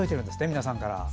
皆さんから。